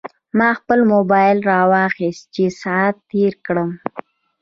ما خپل موبایل راواخیست چې ساعت تېر کړم.